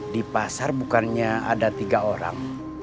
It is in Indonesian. di pasar bukannya ada tiga orang